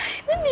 yang jauh bayar